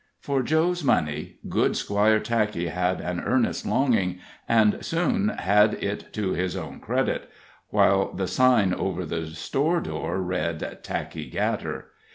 For Joe's money good Squire Tackey had an earnest longing, and soon had it to his own credit; while the sign over the store door read "Tackey & Gatter."